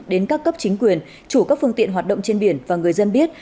đến các cấp chính quyền chủ các phương tiện hoạt động trên biển và người dân biết